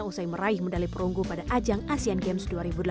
usai meraih medali perunggu pada ajang asean games dua ribu delapan belas